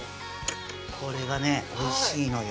これがねおいしいのよ